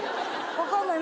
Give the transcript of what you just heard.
分かんない。